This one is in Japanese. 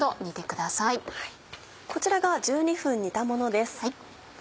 こちらが１２分煮たものです。